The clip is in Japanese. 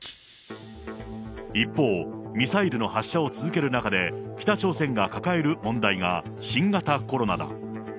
一方、ミサイルの発射を続ける中で、北朝鮮が抱える問題が、新型コロナだ。